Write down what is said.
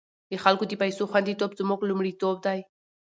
د خلکو د پيسو خوندیتوب زموږ لومړیتوب دی۔